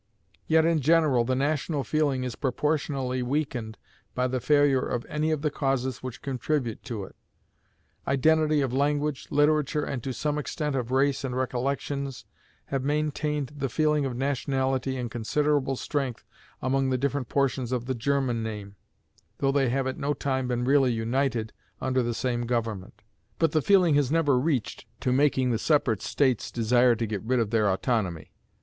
Yet in general the national feeling is proportionally weakened by the failure of any of the causes which contribute to it. Identity of language, literature, and, to some extent, of race and recollections, have maintained the feeling of nationality in considerable strength among the different portions of the German name, though they have at no time been really united under the same government; but the feeling has never reached to making the separate states desire to get rid of their autonomy.